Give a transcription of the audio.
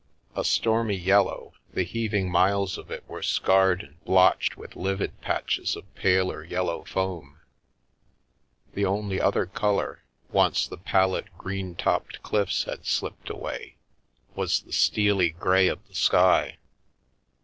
A stormy yellow, the heaving miles of it were scarred and blotched with livid patches of paler yellow foam; the only other colour, once the pallid, green topped cliffs had slipped away, was the steely grey of the sky.